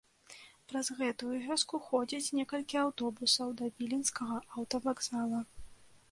Праз гэтую вёску ходзіць некалькі аўтобусаў да віленскага аўтавакзала.